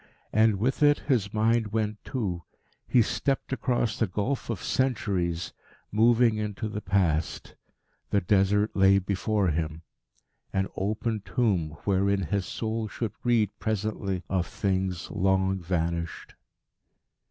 And with it his mind went too. He stepped across the gulf of centuries, moving into the Past. The Desert lay before him an open tomb wherein his soul should read presently of things long vanished.